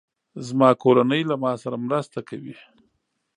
زما کورنۍ له ما سره مرسته کوي.